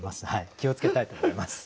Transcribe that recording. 気を付けたいと思います。